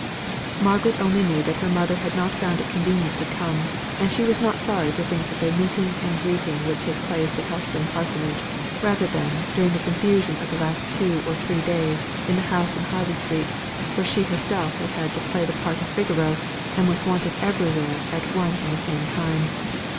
Margaret only knew that her mother had not found it convenient to come, and she was not sorry to think that their meeting and greeting would take place at Helstone parsonage, rather than, during the confusion of the last two or three days, in the house in Harley Street, where she herself had had to play the part of Figaro, and was wanted everywhere at one and the same time.